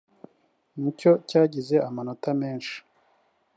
nicyo cyagize amanota menshi